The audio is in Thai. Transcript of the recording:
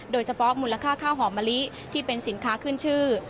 มูลค่าข้าวหอมมะลิที่เป็นสินค้าขึ้นชื่อ